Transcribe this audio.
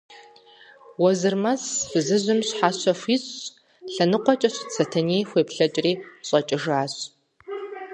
Уэзырмэс фызыжьым щхьэщэ хуищӀщ, лъэныкъуэкӀэ щыт Сэтэней хуеплъэкӀри, щӀэкӀыжащ.